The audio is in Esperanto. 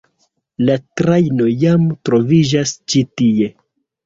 La trajno jam troviĝas ĉi tie.